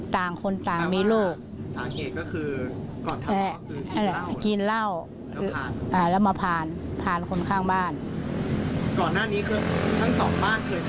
ทั้งสองมากเคยทะเลาะกันไหม